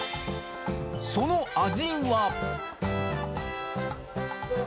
その味は？